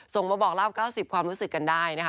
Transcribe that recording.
ส่งมาบอกเล่า๙๐ความรู้สึกกันได้นะคะ